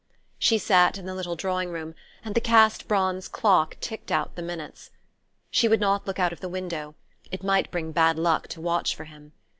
She sat in the little drawing room, and the cast bronze clock ticked out the minutes. She would not look out of the window: it might bring bad luck to watch for him.